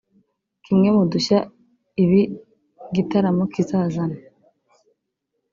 Kimwe mu dushya ibi gitaramo kizazana